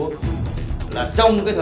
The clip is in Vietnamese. không có đâu